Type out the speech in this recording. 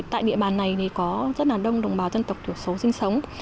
tại địa bàn này có rất đông đồng bào dân tộc thiểu số sinh sống